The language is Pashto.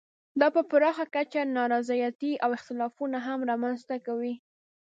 دا په پراخه کچه نا رضایتۍ او اختلافونه هم رامنځته کوي.